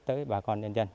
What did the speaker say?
tới bà con nhân dân